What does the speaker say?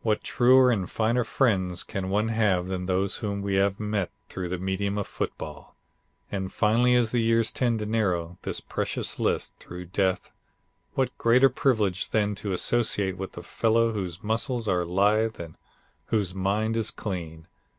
"What truer and finer friends can one have than those whom we have met through the medium of football! And finally as the years tend to narrow this precious list, through death, what greater privilege than to associate with the fellow whose muscles are lithe and whose mind is clean.